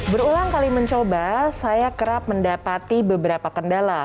berulang kali mencoba saya kerap mendapati beberapa kendala